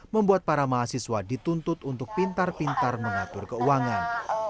membuat para mahasiswa dituntut untuk pintar pintar mengatur keuangan